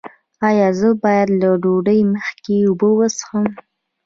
ایا زه باید له ډوډۍ مخکې اوبه وڅښم؟